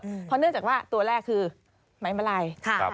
เพราะเนื่องจากว่าตัวแรกคือไม้มาลัย